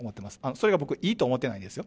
それが僕、いいと思ってないですよ。